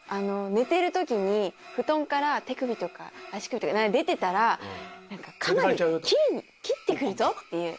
寝てる時に布団から手首とか足首とか出てたらカマで切ってくるぞっていう。